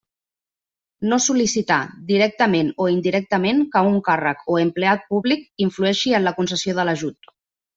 No sol·licitar, directament o indirectament, que un càrrec o empleat públic influeixi en la concessió de l'ajut.